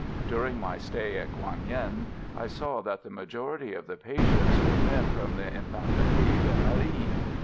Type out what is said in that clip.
During my stay at Quang Yen I saw that the majority of the patients were men from the Infanterie de Marine.